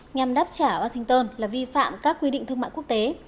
nhằm đáp trả washington là vi phạm các quy định thương mại quốc tế